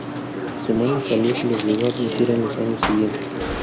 Su mala salud le obligó a dimitir en los años siguientes.